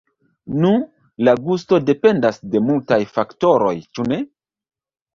Nu, la gusto dependas de multaj faktoroj, ĉu ne?